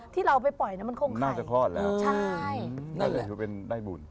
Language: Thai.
ที่เราเอาไปปล่อยมันคงไข่น่าจะคลอดแล้วใช่น่าจะเป็นได้บุญ